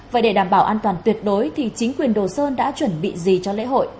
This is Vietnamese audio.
vậy để đảm bảo an toàn tuyệt đối thì chính quyền đồ sơn đã chuẩn bị gì cho lễ hội